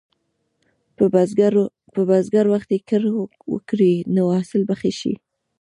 که بزګر وختي کر وکړي، نو حاصل به ښه شي.